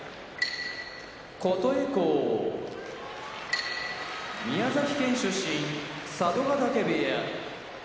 琴恵光宮崎県出身佐渡ヶ嶽部屋